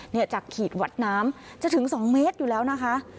เนี่ยจักห์ขีดวัดน้ำจะถึงสองเมตรอยู่แล้วนะคะ